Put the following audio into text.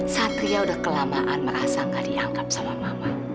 satria udah kelamaan merasa gak diangkat sama mama